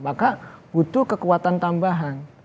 maka butuh kekuatan tambahan